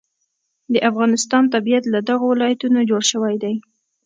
د افغانستان طبیعت له دغو ولایتونو جوړ شوی دی.